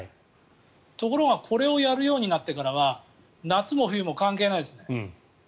ところがこれをやるようになってからは夏も冬も関係ないですね。